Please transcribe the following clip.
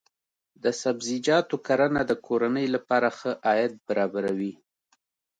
د سبزیجاتو کرنه د کورنۍ لپاره ښه عاید برابروي.